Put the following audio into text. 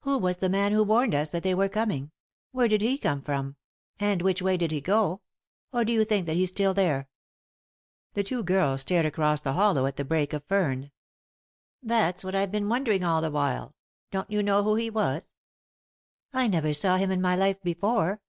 "Who was the man who warned us that they were coming ? Where did he come from ? And which way did he go ? Or do you think that he's still there?" The two girls stared across the hollow at the brake of fern. "That's what I've been wondering all the while. Don't you know who he was ?"" I never saw him in my life before."